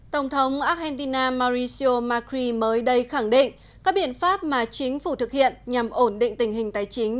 tổng thống argentina mauricio macri mới đây khẳng định các biện pháp mà chính phủ thực hiện nhằm ổn định tình hình tài chính